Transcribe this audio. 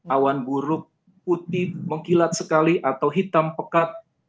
awan buruk putih mengkilat sekali atau hitam pekat